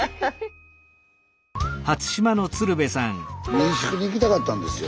民宿に行きたかったんですよ。